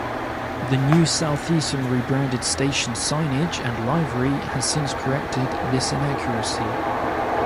The new Southeastern re-branded station signage and livery has since corrected this inaccuracy.